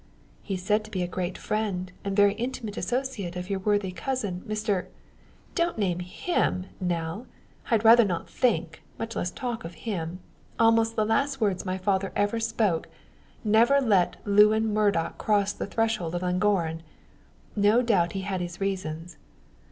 "He's said to be a great friend and very intimate associate of your worthy cousin, Mr " "Don't name him, Nell! I'd rather not think, much less talk of him. Almost the last words my father ever spoke never to let Lewin Murdock cross the threshold of Llangorren. No doubt, he had his reasons.